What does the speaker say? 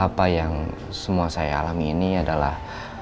apa yang semua saya alami ini adalah